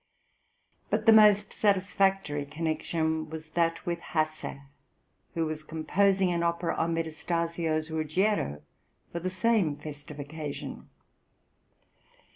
But the most satisfactory connection was that with Hasse, who was composing an opera on Metastasio's "Ruggiero," for the same festive occasion.